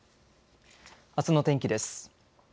あすの天気です。